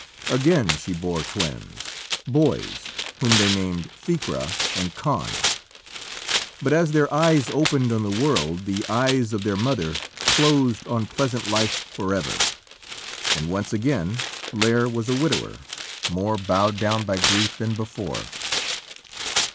Again she bore twins, boys, whom they named Ficra and Conn, but as their eyes opened on the world, the eyes of their mother closed on pleasant life forever, and once again Lîr was a widower, more bowed down by grief than before.